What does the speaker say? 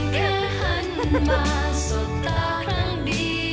ขอบคุณครับ